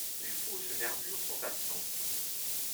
Les fausses nervures sont absentes.